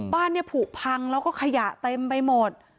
บ้านเนี่ยผูกพังแล้วก็ขยะเต็มไปหมด